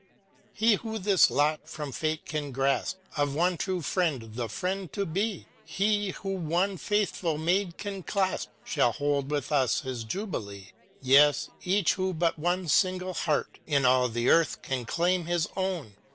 He who this lot from fate can grasp, â Of one true friend the friend to be. He who one faithful maid can clasp, â Shall hold with us his jubilee; Yes, each who but one single heart In all the earth can claim his own!